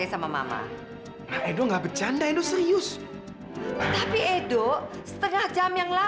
sampai jumpa di video selanjutnya